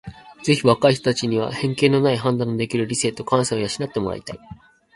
ぜひ若い人たちには偏見のない判断のできる理性と感性を養って貰いたい。